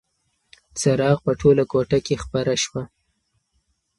څراغ په ټوله کوټه کې خپره شوه.